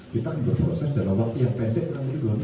kita akan berproses dalam waktu yang pendek